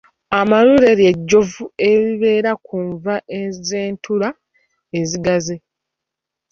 Amalule lye jjovu eribeera ku nva z’entula ezigaze.